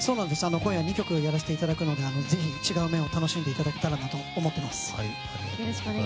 今夜２曲やらせていただくのでぜひ違う面を楽しんでいただけたらなと思っています。